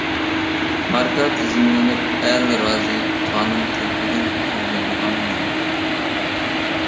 ماركا تىزىملىنىپ «ئەل رازى» قانۇن تەرىپىدىن قوغدىلىدىغان بولدى.